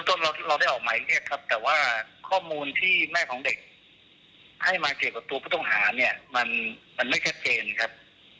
เราได้ออกหมายเรียกครับแต่ว่าข้อมูลที่แม่ของเด็กให้มาเกี่ยวกับตัวผู้ต้องหาเนี่ยมันไม่ชัดเจนครับ